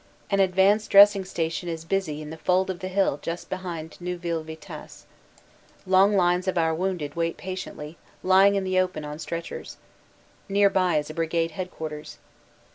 An Advanced Dressing Station is busy in the fold of the hill just behind Neuville Vitasse. Long lines of our wounded wait patiently, lying in the open on stretchers. Nearby is a Brigade Headquarters.